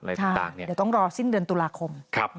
ต่างเดี๋ยวต้องรอสิ้นเดือนตุลาคม